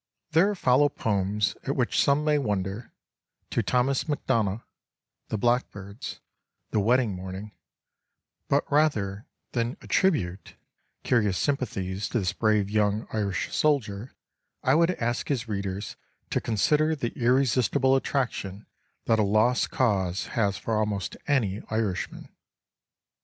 There follow poems at which some may wonder :" To Thomas McDonagh," " The Blackbirds," "The Wedding Morning"; but rather than attribute curious sympathies to this brave young Irish soldier I would ask his readers to consider the irresistible attraction that a lost cause has for almost any Irishman.